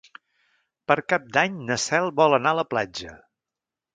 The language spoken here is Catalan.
Per Cap d'Any na Cel vol anar a la platja.